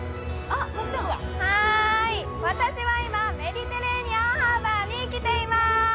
私は今、メディテレーニアンハーバーに来ています。